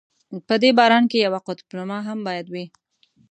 په دې باران کې یوه قطب نما هم باید وي.